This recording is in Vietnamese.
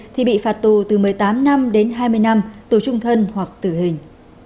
thì bị phạt tù từ một mươi tám năm đến hai mươi năm tù trung thân hoặc tử hình